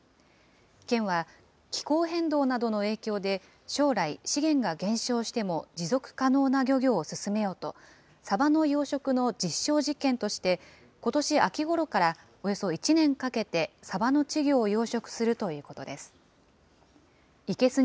県は気候変動などの影響で、将来、資源が減少しても持続可能な漁業を進めようと、サバの養殖の実証実験として、ことし秋ごろからおよそ１年かけてサバの稚魚を養殖するということです。